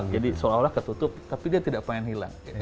jadi seolah olah ketutup tapi dia tidak pengen hilang